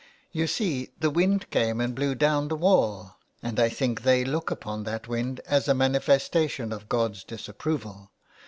" You see the wind came and blew down the wall, and I think they look upon that wind as a manifesta tion of God's disapproval.